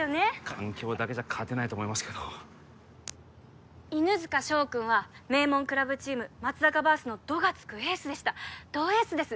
環境だけじゃ勝てないと思いますけど犬塚翔君は名門クラブチーム松阪バーズの「ど」がつくエースでしたどエースです